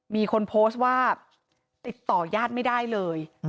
มีคนโพสต์ว่าติดต่อยาตน้ำไม่ได้